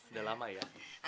udah lama ya